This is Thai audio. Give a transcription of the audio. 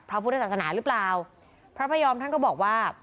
พระพุทธศาสนาหรือเปล่าพระพยอมท่านก็บอกว่า